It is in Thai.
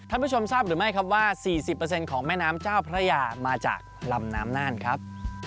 ผู้ชมทราบหรือไม่ครับว่า๔๐ของแม่น้ำเจ้าพระยามาจากลำน้ำน่านครับ